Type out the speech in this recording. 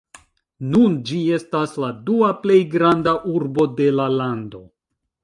Nun ĝi estas la dua plej granda urbo de la lando.